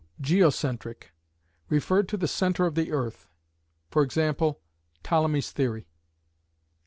Geocentric: Referred to the centre of the earth; e.g. Ptolemy's theory.